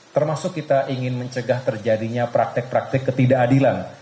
termasuk kita ingin mencegah terjadinya praktek praktik ketidakadilan